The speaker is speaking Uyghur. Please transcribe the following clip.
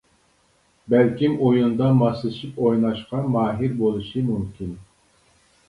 بەلكىم ئويۇندا ماسلىشىپ ئويناشقا ماھىر بولۇشى مۇمكىن.